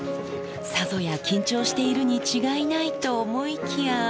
さぞや緊張しているに違いないと思いきや。